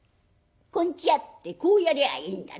『こんちわ』ってこうやりゃいいんだろ」。